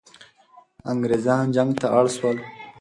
انګریزان جنگ ته اړ سول.